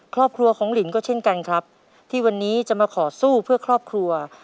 ครอบครัวของลินก็เช่นกันครับที่วันนี้จะมาขอสู้เพื่อครอบครัว